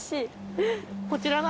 こちらは。